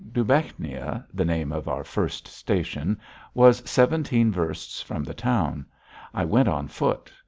Dubechnia the name of our first station was seventeen versts from the town. I went on foot.